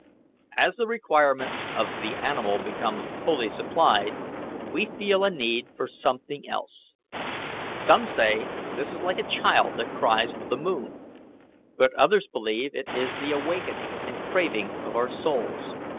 As the requirements of the animal become fully supplied, we feel a need for something else. Some say this is like a child that cries for the moon, but others believe it the awakening and craving of our souls.